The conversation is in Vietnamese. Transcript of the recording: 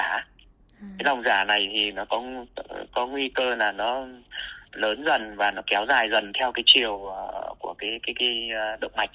cái lòng giả này thì nó có nguy cơ là nó lớn dần và nó kéo dài dần theo cái chiều của cái động mạch